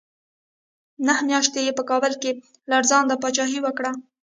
نهه میاشتې یې په کابل کې لړزانه پاچاهي وکړه.